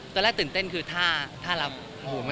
ตั้งแต่ตื่นเต้นคือท่าท่ารับ